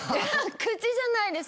口じゃないです